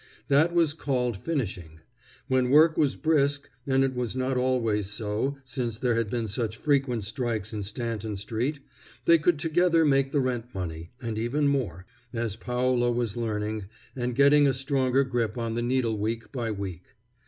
That was called finishing. When work was brisk and it was not always so since there had been such frequent strikes in Stanton street they could together make the rent money, and even more, as Paolo was learning and getting a stronger grip on the needle week by week.